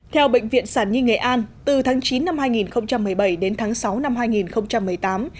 theo bệnh viện sản nhi nghệ an từ tháng chín năm hai nghìn một mươi bảy đến tháng sáu năm hai nghìn một mươi tám